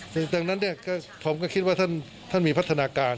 จากนั้นผมก็คิดว่าท่านมีพัฒนาการ